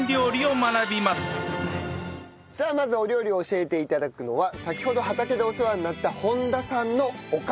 まずお料理を教えて頂くのは先ほど畑でお世話になった本田さんのお母様です。